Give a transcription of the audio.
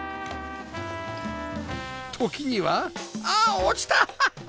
時にはああーっ落ちた！